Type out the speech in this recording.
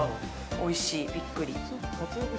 おいしい。びっくり。